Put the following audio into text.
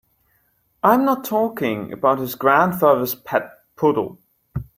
I'm not talking about his grandfather's pet poodle.